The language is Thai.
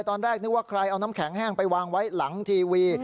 ตอนแรกนึกว่าใครเอาน้ำแข็งแห้งไปวางไว้หลังทีวี